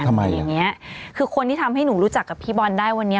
ทำไมอย่างเงี้ยคือคนที่ทำให้หนูรู้จักกับพี่บอลได้วันนี้